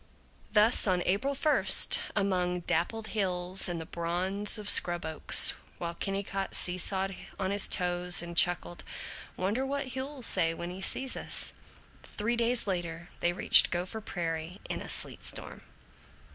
Thus on April first, among dappled hills and the bronze of scrub oaks, while Kennicott seesawed on his toes and chuckled, "Wonder what Hugh'll say when he sees us?" Three days later they reached Gopher Prairie in a sleet storm.